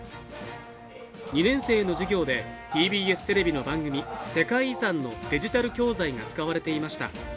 ２年生の授業でＴＢＳテレビの番組「世界遺産」のデジタル教材が使われていました。